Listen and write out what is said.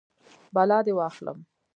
بلا دې واخلم.